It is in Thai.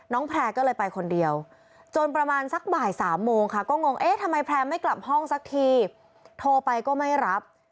แพร่ก็เลยไปคนเดียวจนประมาณสักบ่าย๓โมงค่ะก็งงเอ๊ะทำไมแพร่ไม่กลับห้องสักทีโทรไปก็ไม่รับ